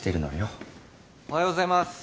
おはようございます。